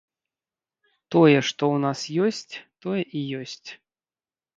Тое, што ў нас ёсць, тое і ёсць.